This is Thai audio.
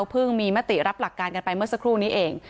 เพิ่งมีมติรับหลักการกันไปเมื่อสักครู่นี้เอง